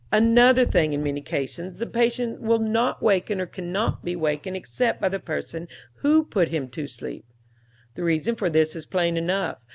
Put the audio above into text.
Another thing, in many cases the patient will not waken or cannot be wakened except by the person who put him to sleep. The reason for this is plain enough.